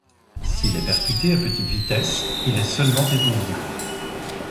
S'il est percuté à petite vitesse, il est seulement étourdi.